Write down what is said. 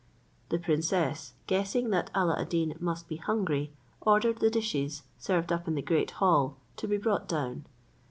The princess, guessing that Alla ad Deen must be hungry, ordered the dishes, served up in the great hall, to be brought down.